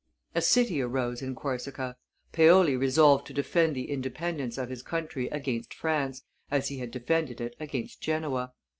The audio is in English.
A cry arose in Corsica. Paoli resolved to defend the independence of his country against France, as he had defended it against Genoa.